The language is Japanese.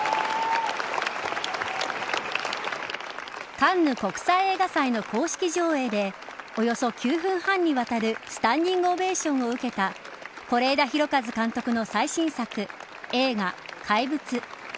カンヌ国際映画祭の公式上映でおよそ９分半にわたるスタンディングオベーションを受けた是枝裕和監督の最新作映画、怪物。